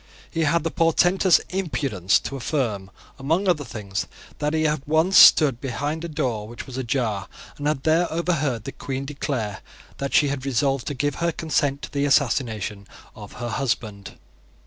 He had the portentous impudence to affirm, among other things, that he had once stood behind a door which was ajar, and had there overheard the Queen declare that she had resolved to give her consent to the assassination of her husband.